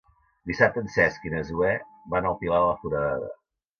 Dissabte en Cesc i na Zoè van al Pilar de la Foradada.